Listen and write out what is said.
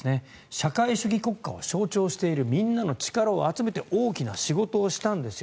社会主義国家を象徴しているみんなの力を集めて大きな仕事をしたんですよ。